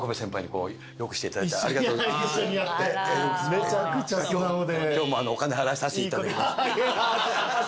めちゃくちゃ素直で。